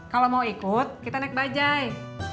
kalau mau ikut kita naik bajai